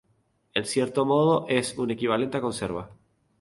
En cierto modo es un equivalente a conserva.